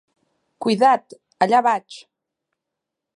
Cuidat! Allà vaig!